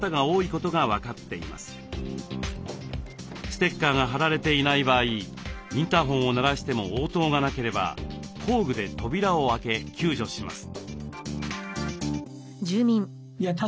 ステッカーが貼られていない場合インターホンを鳴らしても応答がなければ工具で扉を開け救助します。